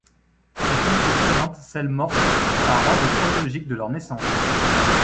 Cette liste présente celles mortes, par ordre chronologique de leur naissance.